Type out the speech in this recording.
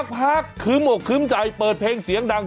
พักคึ้มอกคึ้มใจเปิดเพลงเสียงดัง